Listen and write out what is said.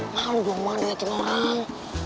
mau jual mana liatin orang